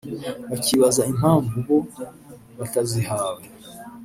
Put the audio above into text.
bakibaza impamvu bo batazihawe